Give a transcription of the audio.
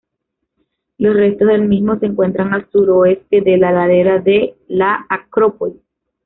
Los restos del mismo se encuentran al suroeste de la ladera de la Acrópolis.